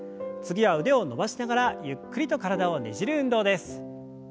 次は腕を伸ばしながらゆっくりと体をねじる運動です。